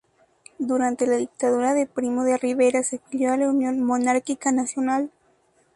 Durante la Dictadura de Primo de Rivera se afilió a la Unión Monárquica Nacional.